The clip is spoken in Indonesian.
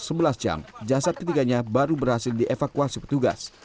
setelah sebelas jam jasad ketiganya baru berhasil dievakuasi petugas